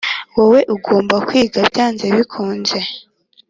wowe ugomba kwiga byanze bikunze